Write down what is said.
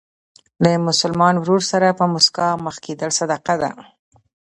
له مسلمان ورور سره په مسکا مخ کېدل صدقه ده.